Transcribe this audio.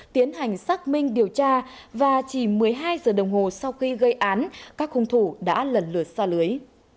tiến hành xác minh điều tra và chỉ một mươi hai giờ đồng hồ sau khi gây án các hung thủ đã lần lượt xa lưới